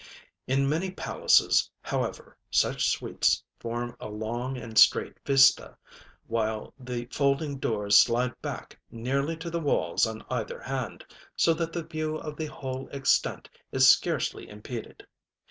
In many palaces, however, such suites form a long and straight vista, while the folding doors slide back nearly to the walls on either hand, so that the view of the whole extent is scarcely impeded.